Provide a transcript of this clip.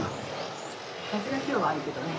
風が今日はあるけどね。